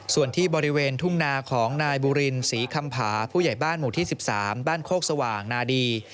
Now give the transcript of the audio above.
ส่วนที่บริเวณทุ่งนาของนายบุรินศรีคำผาผู้ใหญ่บ้านหมู่ที่๑๓บ้านโคกสว่างนาดี